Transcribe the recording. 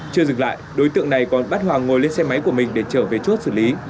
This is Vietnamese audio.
chưa dừng lại đối tượng này còn bắt hoàng ngồi lên xe máy của mình để trở về chốt xử lý